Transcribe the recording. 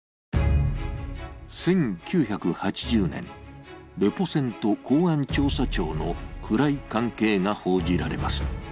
１９８０年、レポ船と公安調査庁の暗い関係が報じられます。